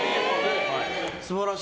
素晴らしい。